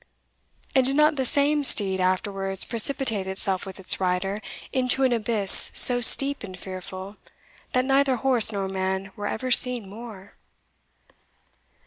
and did not the same steed afterwards precipitate itself with its rider into an abyss so steep and fearful, that neither horse nor man were ever seen more?